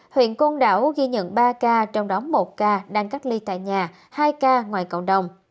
huyện côn đảo ghi nhận ba ca trong đó một ca đang cách ly tại nhà hai ca ngoài cộng đồng